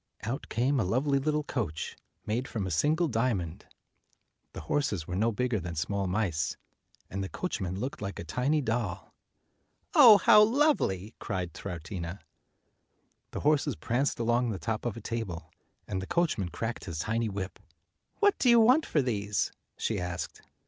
Out came a lovely little coach made from a single dia mond; the horses were no bigger than small mice, and the coachman looked like a tiny doll. "Oh, how lovely!" cried Troutina. The horses pranced along the top of a table, and the coachman cracked his tiny whip. "What do you want for these?" she asked.